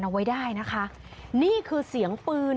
เอาไว้ได้นะคะนี่คือเสียงปืน